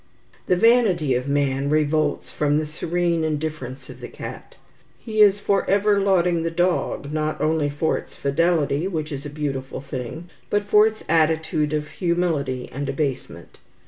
The vanity of man revolts from the serene indifference of the cat. He is forever lauding the dog, not only for its fidelity, which is a beautiful thing, but for its attitude of humility and abasement.